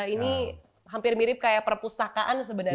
ini hampir mirip kayak perpustakaan sebenarnya